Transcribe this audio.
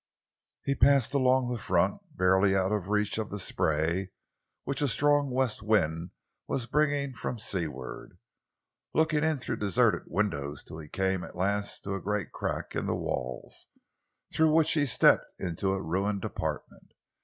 He passed along the front, barely out of reach of the spray which a strong west wind was bringing from seaward, looked in through deserted windows till he came at last to a great crack in the walls, through which he stepped into a ruined apartment.